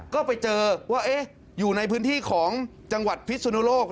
ก็ไปเจอว่าอยู่ในพื้นที่ของจังหวัดพิศนุโลก